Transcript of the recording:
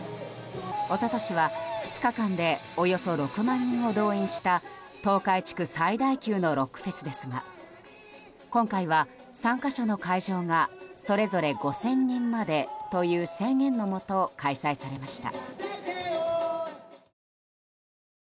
一昨年は２日間でおよそ６万人を動員した東海地区最大級のロックフェスですが今回は差３か所の会場がそれぞれ５０００人までという制限のもと開催されました。